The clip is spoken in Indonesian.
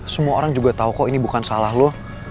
semua orang juga tau kok ini bukan salah lo